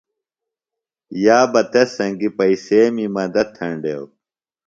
یابہ تس سنگیۡ پئیسیمی مدت تھینڈیوۡ۔